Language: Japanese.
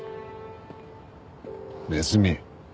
ネズミ。